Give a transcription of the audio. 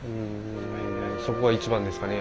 そこが一番ですかね